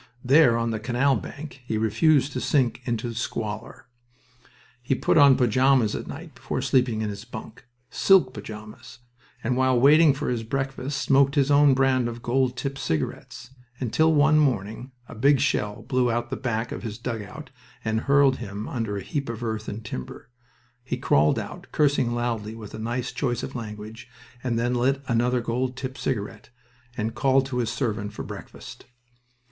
There, on the canal bank, he refused to sink into the squalor. He put on pajamas at night before sleeping in his bunk silk pajamas and while waiting for his breakfast smoked his own brand of gold tipped cigarettes, until one morning a big shell blew out the back of his dugout and hurled him under a heap of earth and timber. He crawled out, cursing loudly with a nice choice of language, and then lit another gold tipped cigarette, and called to his servant for breakfast.